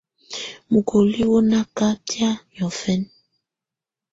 Mukoli wù nà katɛ̀á niɔ̀fɛ̀na.